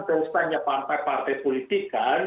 tersesatnya pantai partai politik kan